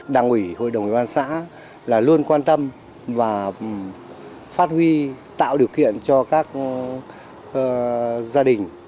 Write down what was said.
đảng ủy hội đồng ubxa luôn quan tâm và phát huy tạo điều kiện cho các gia đình